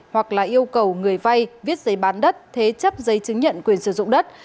hoặc là yêu cầu người vay viết giấy bán đất thế chấp giấy chứng nhận quyền sử dụng đất